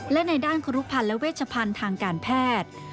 และในด้านครุพันธ์และเวชพันธ์ทางการแพทย์